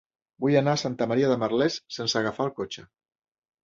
Vull anar a Santa Maria de Merlès sense agafar el cotxe.